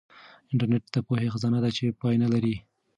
انټرنیټ د پوهې خزانه ده چې پای نه لري.